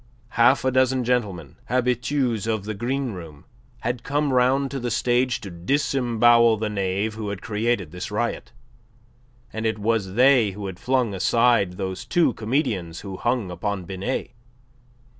Half a dozen gentlemen, habitues of the green room, had come round to the stage to disembowel the knave who had created this riot, and it was they who had flung aside those two comedians who hung upon Binet.